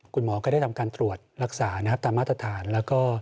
คุณหมอก็ได้ทำการตรวจรักษาตามมาตรฐานแล้วก็